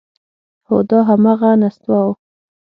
هو دا همغه نستوه و…